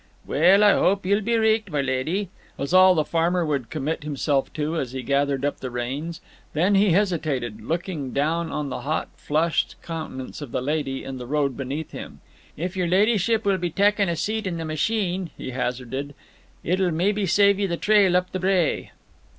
"Well, I hope ye'll be richt, my leddy," was all the farmer would commit himself to, as he gathered up the reins. Then he hesitated, looking down on the hot, flushed countenance of the lady in the road beneath him. "If yer leddyship will be tackin' a seat in the machine," he hazarded, "it'll maybe save ye the trail up the brae."